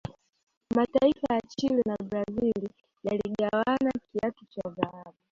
mataifa ya Chile na brazil yaligawana kiatu cha dhahabu